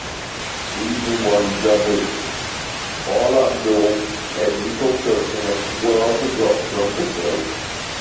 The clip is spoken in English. Season one judges Paula Abdul and Nicole Scherzinger were also dropped from the show.